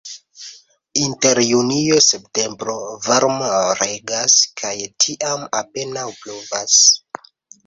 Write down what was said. Inter junio-septembro varmo regas kaj tiam apenaŭ pluvas.